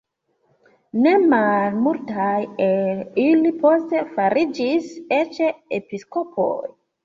Ne malmultaj el ili poste fariĝis eĉ episkopoj.